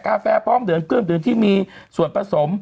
กาแฟพร้อมเดือนใหปรื่นที่มีส่วนผสม